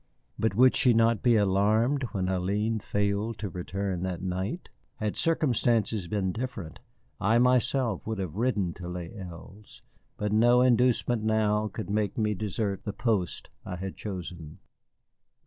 But would she not be alarmed when Hélène failed to return that night? Had circumstances been different, I myself would have ridden to Les Îles, but no inducement now could make me desert the post I had chosen.